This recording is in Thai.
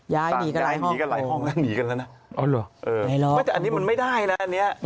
ย้ายหนีกันหลายห้องน่ะหนีกันแล้วน่ะเออแต่อันนี้มันไม่ได้น่ะเนี่ย